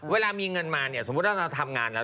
เวลามีเงินมาเนี่ยสมมุติว่าเราทำงานแล้ว